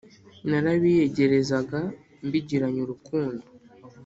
Narabiyegerezaga mbigiranye urukundo,